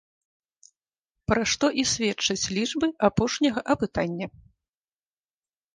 Пра што і сведчаць лічбы апошняга апытання.